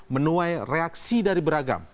menuai reaksi dari beragam